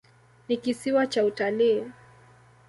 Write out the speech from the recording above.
Ni kisiwa cha utalii.